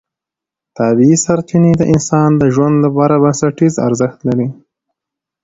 طبیعي سرچینې د انسان د ژوند لپاره بنسټیز ارزښت لري